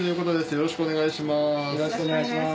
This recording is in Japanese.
よろしくお願いします。